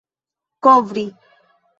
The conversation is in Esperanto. kovri